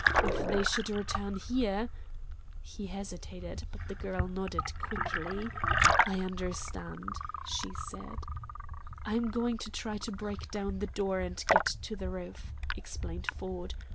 If they should return here " He hesitated, but the girl nodded quickly. "I understand," she said. "I'm going to try to break down the door and get to the roof," explained Ford.